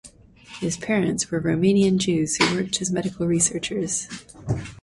His parents were Romanian Jews who worked as medical researchers.